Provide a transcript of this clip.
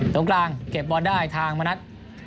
ตรงกลางเก็บบอลได้ทางมณัฐ